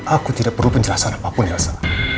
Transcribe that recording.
aku tidak perlu penjelasan apapun elsa